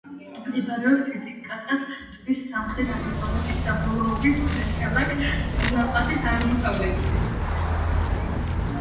მდებარეობს ტიტიკაკას ტბის სამხრეთ-აღმოსავლეთით და ბოლივიის დედაქალაქ ლა-პასის აღმოსავლეთით.